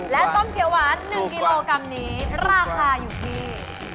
และส้มเขียวหวาน๑กิโลกรัมนี้ราคาอยู่ที่